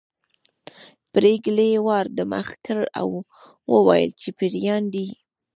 پريګلې وار د مخه کړ او وویل چې پيريان دي